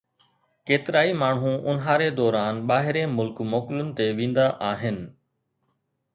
ڪيترائي ماڻهو اونهاري دوران ٻاهرين ملڪ موڪلن تي ويندا آهن.